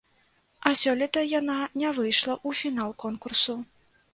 А сёлета яна не выйшла ў фінал конкурсу.